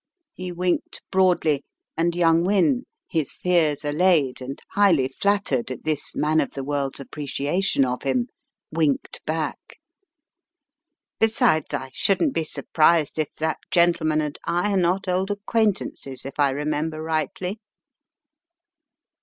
He winked broadly and young Wynne, his fears allayed and highly flattered at this "man of the world's" appreciation of him, winked back. "Besides, I shouldn't be surprised if that gentleman and I are not old acquaintances if I remember rightly."